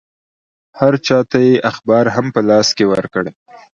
هر چا ته یې یو اخبار هم په لاس کې ورکړ.